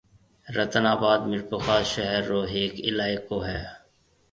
رتن آباد ميرپورخاص شھر رو ھيَََڪ علائقو ھيََََ